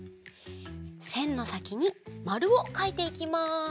せんのさきにマルをかいていきます。